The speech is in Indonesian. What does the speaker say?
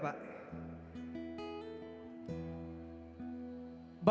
boleh turun gak pak